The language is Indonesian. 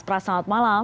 pras selamat malam